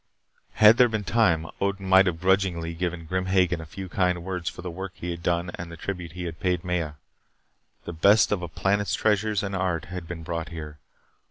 Had there been time, Odin might have grudgingly given Grim Hagen a few kind words for the work he had done and the tribute he had paid Maya. The best of a planet's treasures and art had been brought here.